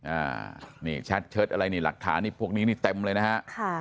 อ่านี่แชทเชิดอะไรนี่หลักฐานี่พวกนี้นี่เต็มเลยนะฮะค่ะ